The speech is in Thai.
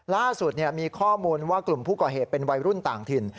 ล่าสุดมีข้อมูลว่ากลุ่มผู้ก่อเหตุเป็นวัยรุ่นต่างถิ่น